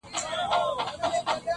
• موږ دا نن لا خروښېدلو -